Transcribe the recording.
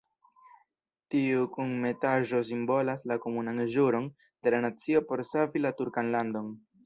Tiu kunmetaĵo simbolas la komunan ĵuron de la nacio por savi la turkan landon.